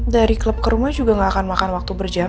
dari klub ke rumah juga nggak akan makan waktu berjam